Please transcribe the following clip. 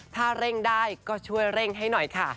ถ้าเร่งได้ก็ช่วยเร่งให้หน่อยค่ะ